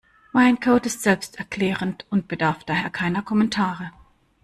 Mein Code ist selbsterklärend und bedarf daher keiner Kommentare.